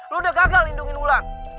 lo udah gagal lindungin wulan